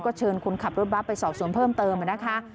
เชิญคนขับรถบัสไปสอบสวนเพิ่มเติมนะคะ